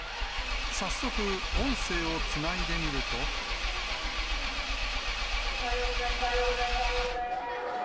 早速、音声をつないでみると。おはようございます。